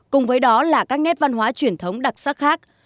cùng với đó là các nét văn hóa truyền thống đặc sắc khác